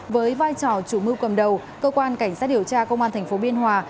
với vai trò chủ mưu cầm đầu cơ quan cảnh sát điều tra công an tp biên hòa